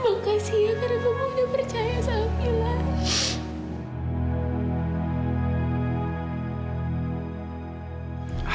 mak kasih ya karena mama udah percaya sama mila